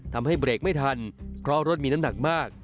ทำให้เบรกไม่ทันเพราะรถมีน้ำหนักมาก